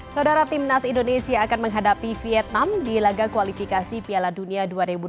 saudara timnas indonesia akan menghadapi vietnam di laga kualifikasi piala dunia dua ribu dua puluh